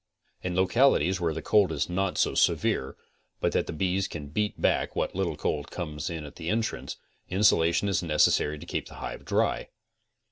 In lo calities where the cold is not so'severe but that the bees can beat back what little cold comes in at the entrance, insulation is neces sary to keep the hive dry.